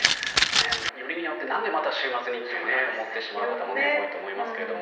よりによって何でまた週末にと思ってしまう方も多いと思いますが。